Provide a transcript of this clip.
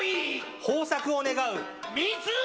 豊作を願う。